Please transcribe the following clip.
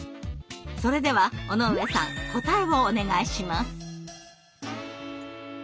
それでは尾上さん答えをお願いします。